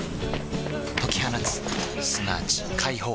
解き放つすなわち解放